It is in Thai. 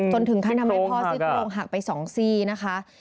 ถึงขั้นทำให้พ่อซี่โครงหักไป๒ซี่นะคะ